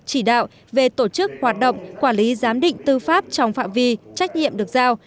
chỉ đạo về tổ chức hoạt động quản lý giám định tư pháp trong phạm vi trách nhiệm được giao